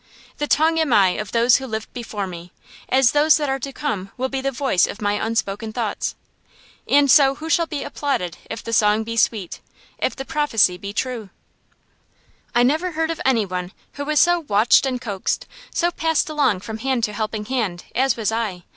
The tongue am I of those who lived before me, as those that are to come will be the voice of my unspoken thoughts. And so who shall be applauded if the song be sweet, if the prophecy be true? I never heard of any one who was so watched and coaxed, so passed along from hand to helping hand, as was I.